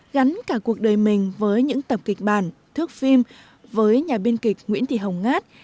gắn cả cuộc đời mình với những tập kịch bản thước phim với nhà biên kịch nguyễn thị hồng ngát